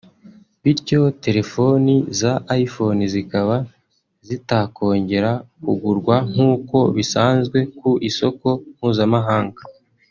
bityo telefoni za iPhone zikaba zitakongera kugurwa nkuko bisanzwe ku isoko mpuzamahanga